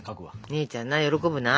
姉ちゃんな喜ぶな。